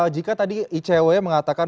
jika tadi icw mengatakan